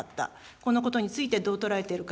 このことについてどう捉えているか。